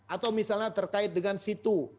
atau misalnya terkait dengan situ